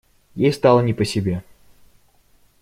Ей стало не по себе.